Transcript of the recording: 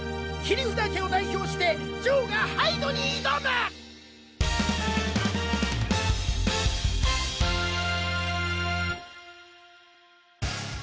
切札家を代表してジョーがハイドに挑む！